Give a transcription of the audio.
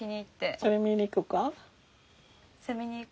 それ見に行く？